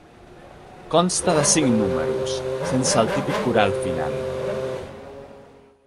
Consta de cinc números, sense el típic coral final.